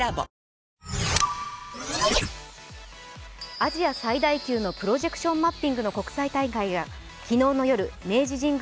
アジア最大級のプロジェクションマッピングの国際大会が昨日の夜、明治神宮